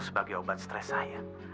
sebagai obat stres saya